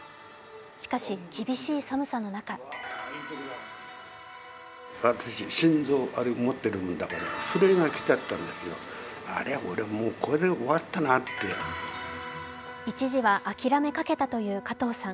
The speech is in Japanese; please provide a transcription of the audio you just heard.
しかし、厳しい寒さの中一時は諦めかけたという加藤さん。